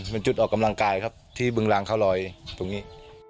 เป็นจุดออกกำลังกายครับที่บึงรางข้าวลอยตรงนี้